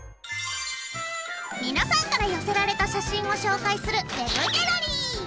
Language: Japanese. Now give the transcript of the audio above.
皆さんから寄せられた写真を紹介する「ＷＥＢギャラリー」。